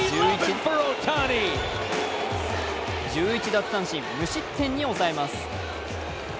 １１奪三振、無失点に抑えます